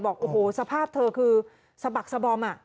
บอกโอ้โหสภาพเธอคือสะบักสะบอม